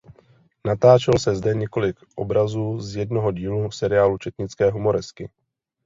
Natáčelo se zde několik obrazů z jednoho dílu seriálu Četnické humoresky.